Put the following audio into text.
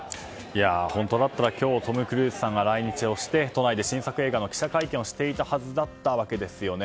本当だったら今日トム・クルーズさんが来日して、都内で新作映画の記者会見をしていたはずなんですよね。